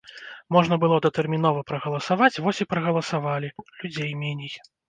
Можна было датэрмінова прагаласаваць, вось і прагаласавалі, людзей меней.